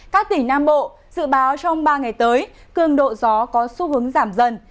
các tỉnh nam bộ dự báo trong ba ngày tới cường độ gió có xu hướng giảm dần